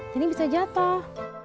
tini bisa jatoh